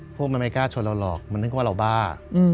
พวกมันไม่กล้าชนเราหรอกมันนึกว่าเราบ้า